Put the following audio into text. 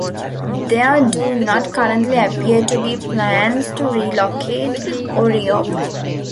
There do not currently appear to be plans to relocate or reopen.